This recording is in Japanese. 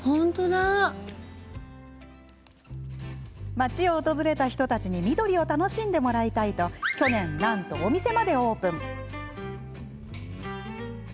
街を訪れた人たちに緑を楽しんでもらいたいと去年、なんとお店までオープン。